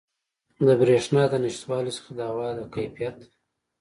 د بریښنا د نشتوالي څخه د هوا د کیفیت